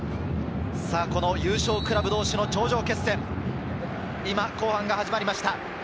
優勝クラブ同士の頂上決戦、今、後半が始まりました。